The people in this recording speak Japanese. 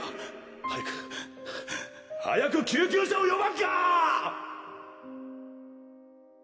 早く早く救急車を呼ばんか！！